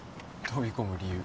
飛び込む理由。